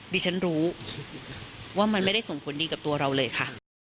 ดิฉันรู้ว่ามันไม่ได้ส่งผลดีกับตัวเราเลยค่ะ